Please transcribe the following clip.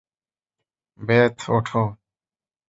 Bathe, ওঠো।